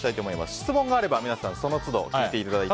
質問があれば、皆さんその都度聞いていただいて。